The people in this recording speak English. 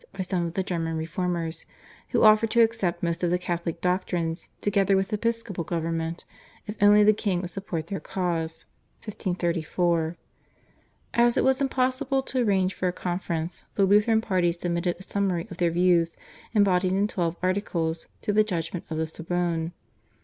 by some of the German reformers, who offered to accept most of the Catholic doctrines together with episcopal government if only the king would support their cause (1534). As it was impossible to arrange for a conference, the Lutheran party submitted a summary of their views embodied in twelve articles to the judgment of the Sorbonne.